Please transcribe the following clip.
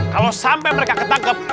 kalau sampai mereka ketangkep